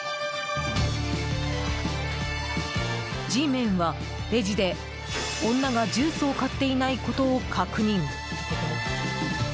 Ｇメンはレジで、女がジュースを買っていないことを確認。